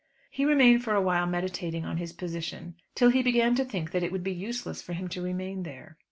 He remained for awhile meditating on his position, till he began to think that it would be useless for him to remain there.